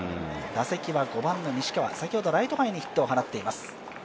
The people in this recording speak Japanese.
西川、先ほどライト前にヒットを放っています。